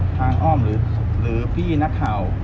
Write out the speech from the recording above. อ้อมหรือพี่นักข่าว